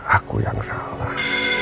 aku yang salah